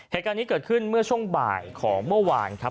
เหตุการณ์นี้เกิดขึ้นเมื่อช่วงบ่ายของเมื่อวานครับ